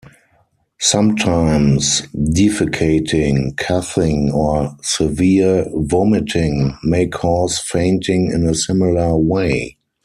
Sometimes defecating, coughing, or severe vomiting may cause fainting in a similar way.